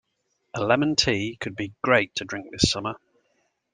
A lemon tea could be great to drink this summer.